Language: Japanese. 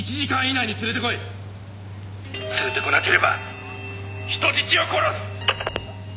「連れてこなければ人質を殺す！」